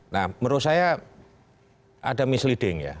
nah menurut saya ada misleading ya